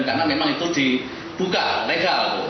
dan karena memang itu dibuka legal